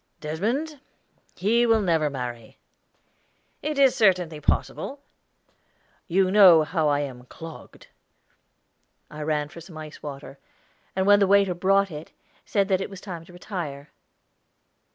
"Desmond? he will never marry." "It is certainly possible." "You know how I am clogged." I rang for some ice water, and when the waiter brought it, said that it was time to retire.